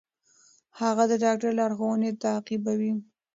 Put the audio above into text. هغه د ډاکټر لارښوونې تعقیبوي.